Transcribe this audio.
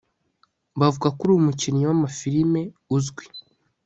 Bavuga ko ari umukinnyi wamafirime uzwi